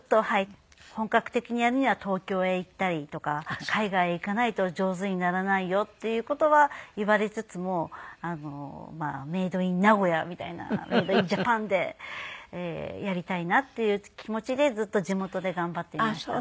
本格的にやるには東京へ行ったりとか海外へ行かないと上手にならないよっていう事は言われつつもメイド・イン・名古屋みたいなメイド・イン・ジャパンでやりたいなっていう気持ちでずっと地元で頑張っていました。